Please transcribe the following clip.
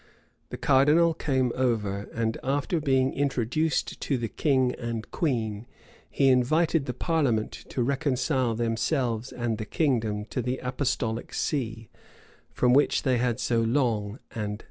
The cardinal came over, and, after being introduced to the king and queen, he invited the parliament to reconcile themselves and the kingdom to the apostolic see, from which they had been so long and so unhappily divided.